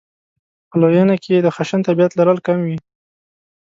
په لویېنه کې یې د خشن طبعیت لرل کم وي.